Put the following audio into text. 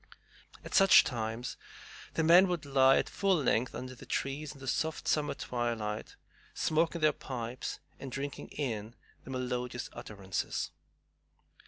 At such times the men would lie at full length under the trees in the soft summer twilight, smoking their pipes and drinking in the melodious utterances.